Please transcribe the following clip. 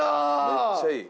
めっちゃいい。